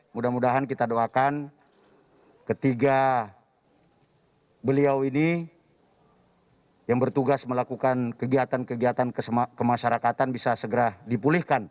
mudah mudahan kita doakan ketiga beliau ini yang bertugas melakukan kegiatan kegiatan kemasyarakatan bisa segera dipulihkan